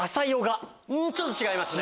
ちょっと違いますね。